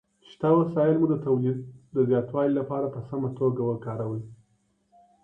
شته وسايل مو د توليد د زياتوالي لپاره په سمه توګه وکاروئ.